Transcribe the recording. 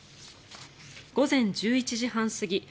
午前１１時半過ぎ